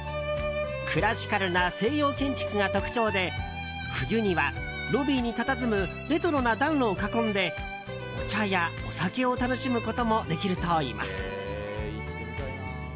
クラシカルな西洋建築が特徴で冬にはロビーにたたずむレトロな暖炉を囲んでお茶やお酒を楽しむこともできるといいます。